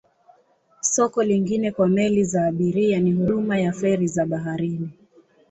Soko lingine kwa meli za abiria ni huduma ya feri za baharini.